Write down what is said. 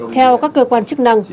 theo các cơ quan chức năng